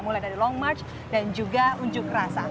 mulai dari long march dan juga unjuk rasa